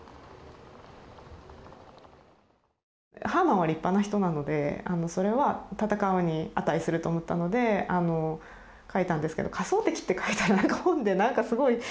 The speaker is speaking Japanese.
ハーマンは立派な人なのでそれはたたかうに値すると思ったので書いたんですけど仮想敵って書いたらなんか本でなんかすごい重く捉えられちゃって。